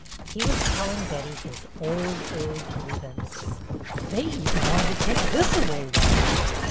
He was telling Betty his old, old grievance. " They even wanted to take this away once.